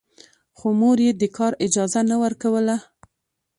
خو مور يې د کار اجازه نه ورکوله.